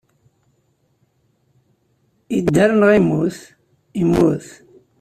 Idder neɣ immut? Immut.